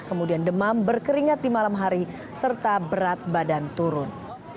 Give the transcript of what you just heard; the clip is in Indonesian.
kemudian demam berkeringat di malam hari serta berat badan turun